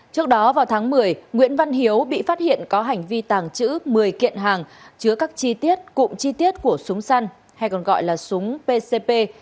trước đó vào tháng một mươi nguyễn văn hiếu bị phát hiện có hành vi tàng trữ một mươi kiện hàng chứa các chi tiết cụm chi tiết của súng săn hay còn gọi là súng pcp